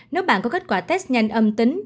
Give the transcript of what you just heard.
nếu bạn có kết quả test nhanh âm tính